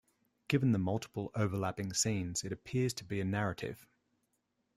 Given the multiple overlapping scenes, it appears to be a narrative.